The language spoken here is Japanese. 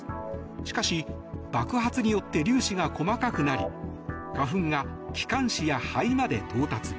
しかし爆発によって粒子が細かくなり花粉が気管支や肺まで到達。